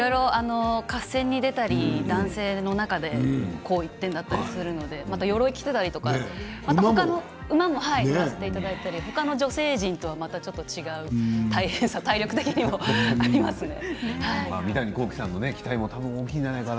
合戦に出たり男性の中で紅一点だったりするのでまた、よろいを着ていたり馬に乗せていただいたり、ほかの女性陣とはまた違う大変さ体力的にはありますね。